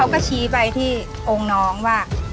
แล้วเขาก็ชี้ไปที่องค์น้องว่า